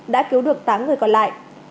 đã cứu được tám người còn lại